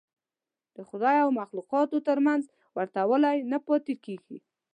د خدای او مخلوقاتو تر منځ ورته والی نه پاتې کېږي.